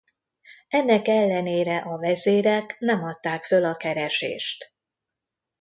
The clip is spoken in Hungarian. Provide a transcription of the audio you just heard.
Ennek ellenére a vezérek nem adták föl a keresést.